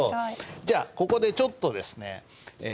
じゃあここでちょっとですね